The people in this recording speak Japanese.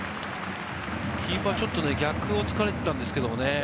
キーパーちょっと逆を突かれていたんですけどね。